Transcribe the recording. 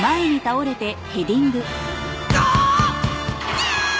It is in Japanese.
あっ！